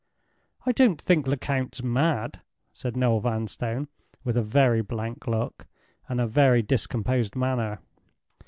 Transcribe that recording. "I don't think Lecount's mad," said Noel Vanstone, with a very blank look, and a very discomposed manner.